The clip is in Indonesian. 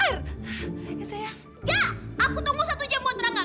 aku tunggu satu jam buat rangga